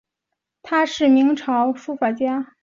她是明朝书法家吕伯懿后裔。